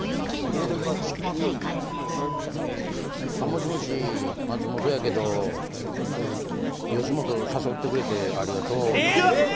もしもし松本やけど吉本誘ってくれてありがとう。